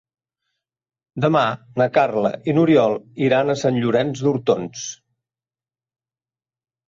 Demà na Carla i n'Oriol iran a Sant Llorenç d'Hortons.